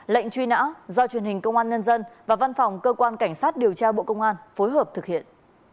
lệnh truy nã do truyền hình công an nhân dân và văn phòng cơ quan cảnh sát điều tra bộ công an phối hợp thực hiện